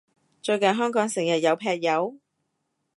最近香港成日有劈友？